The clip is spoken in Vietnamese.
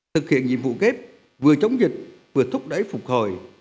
thực hiện nhiệm vụ kép vừa chống dịch vừa thúc đẩy phục hồi